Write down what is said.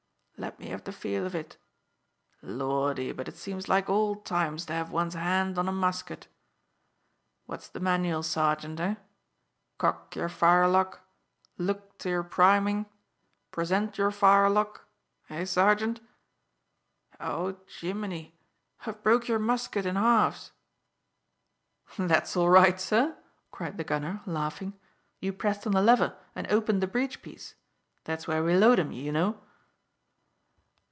"Let me have the feel of it. Lordy, but it seems like old times to have one's hand on a musket. What's the manual, sergeant, eh? Cock your firelock look to your priming present your firelock eh, sergeant? Oh, Jimini, I've broke your musket in halves!" "That's all right, sir," cried the gunner laughing. "You pressed on the lever and opened the breech piece. That's where we load 'em, you know."